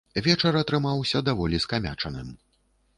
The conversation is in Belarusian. Вечар атрымаўся даволі скамячаным.